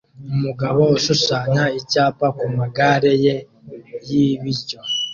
Umugabo ushushanya icyapa kumagare ye y'ibiryo